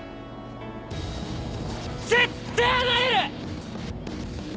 絶対なれる！